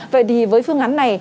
vậy thì với phương án này